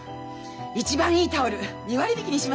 一番いいタオル２割引きにします！